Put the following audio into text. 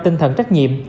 tinh thần trách nhiệm